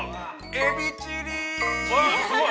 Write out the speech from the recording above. ◆エビチリい。